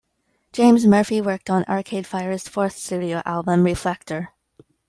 James Murphy worked on Arcade Fire's fourth studio album Reflektor.